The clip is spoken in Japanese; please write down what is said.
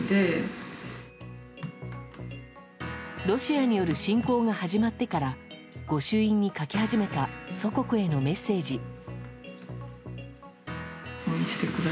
ロシアによる侵攻が始まってから御朱印に書き始めた祖国へのメッセージ。